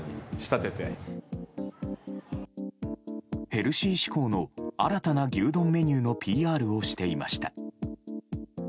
ヘルシー志向の新たな牛丼メニューのＰＲをしていました。